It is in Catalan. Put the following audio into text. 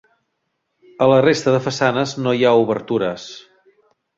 A la resta de façanes no hi ha obertures.